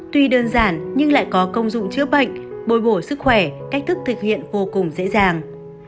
tuy đơn giản nhưng lại có công dụng chữa bệnh bồi bổ sức khỏe cách thức thực hiện vô cùng dễ dàng